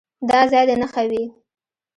دا ځای دې نښه وي.